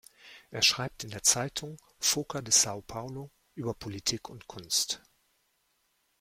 Er schreibt in der Zeitung "Folha de São Paulo" über Politik und Kunst.